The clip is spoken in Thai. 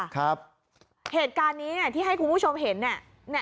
ครับเหตุการณ์นี้ที่ให้คุณผู้ชมเห็น